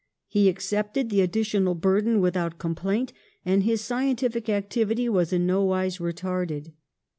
He ac cepted the additional burden without com plaint, and his scientific activity was in no wise retarded.